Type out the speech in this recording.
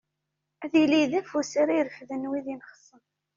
Ad yili d afus ara irefden wid yenxessen.